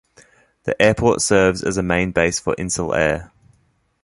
The airport serves as a main base for Insel Air.